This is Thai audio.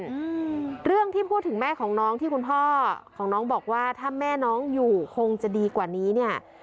อืมเรื่องที่พูดถึงแม่ของน้องที่คุณพ่อของน้องบอกว่าถ้าแม่น้องอยู่คงจะดีกว่านี้เนี้ย